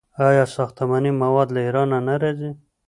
آیا ساختماني مواد له ایران نه راځي؟